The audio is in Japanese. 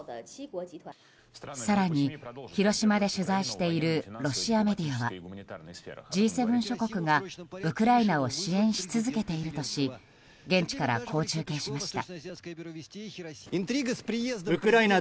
更に、広島で取材しているロシアメディアはＧ７諸国がウクライナを支援し続けているとし現地から、こう中継しました。